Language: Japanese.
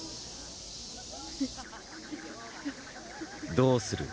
どうする？